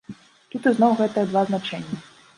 Тут ізноў гэтыя два значэнні.